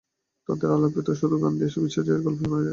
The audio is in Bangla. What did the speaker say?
তাঁদের আলাপে তো শুধু গান দিয়ে বিশ্ব জয়ের গল্পই শোনা যায়।